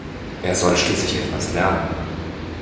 Er soll schließlich etwas lernen.